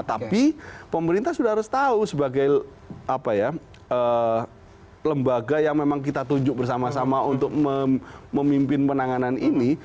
tapi pemerintah sudah harus tahu sebagai lembaga yang memang kita tunjuk bersama sama untuk memimpin penanganan ini